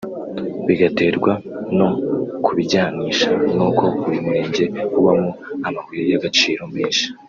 bigaterwa no kubijyanisha n’uko uyu murenge ubamo amabuye y’agaciro menshi